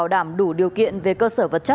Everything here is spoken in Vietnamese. là biển số giả